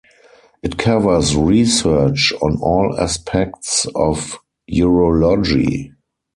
It covers research on all aspects of urology.